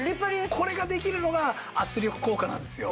これができるのが圧力効果なんですよ。